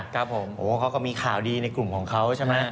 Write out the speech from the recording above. เขาก็มีข่าวดีในกลุ่มของเขาเฉ